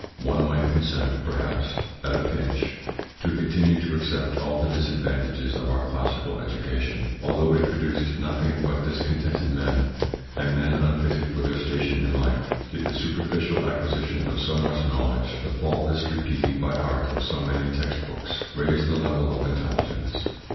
One might consent, perhaps, at a pinch, to continue to accept all the disadvantages of our classical education, although it produced nothing but discontented men, and men unfitted for their station in life, did the superficial acquisition of so much knowledge, the faultless repeating by heart of so many text books, raise the level of intelligence.